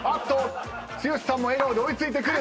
剛さんも笑顔で追い付いてくる。